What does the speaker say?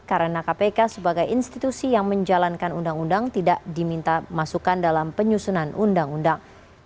karena kpk sebagai institusi yang menjalankan undang undang tidak diminta masukkan dalam penyusunan undang undang